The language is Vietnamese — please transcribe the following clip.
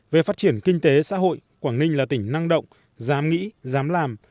về phát triển kinh tế xã hội quảng ninh là tỉnh năng động dám nghĩ dám làm